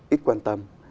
ít quan tâm